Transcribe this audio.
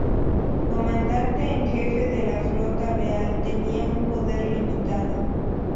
Comandante en Jefe de la flota real, tenía un poder limitado.